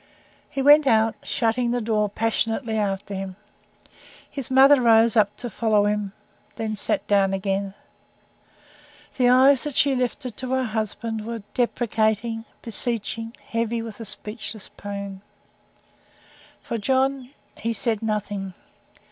He went out, shutting the door passionately after him. His mother rose up to follow him then sat down again. The eyes that she lifted to her husband were deprecating, beseeching, heavy with a speechless pain. For John he said nothing.